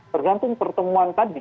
tergantung pertemuan tadi